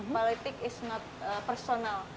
politik itu bukan personal